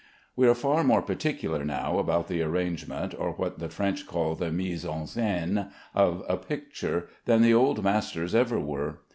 We are far more particular now about the arrangement, or what the French call the mise en scène, of a picture, than the old masters ever were.